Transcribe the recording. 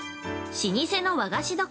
◆老舗の和菓子処